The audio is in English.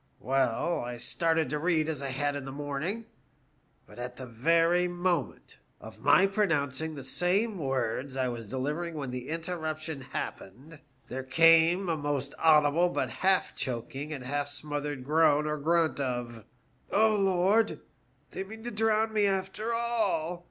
Well, I started to read as I had in the morning, but at ihe very moment, of my pronouncing the same words I was delivering when the interruption happened, there came a most audible but half choking and half smothered groan or grunt of ' OA, Lord, they mean to drown me after all!